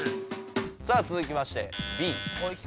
さあつづきましてＢ。